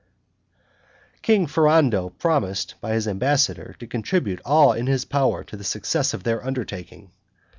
King Ferrando promised, by his ambassador, to contribute all in his power to the success of their undertaking.